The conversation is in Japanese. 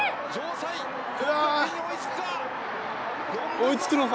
追いつくのか？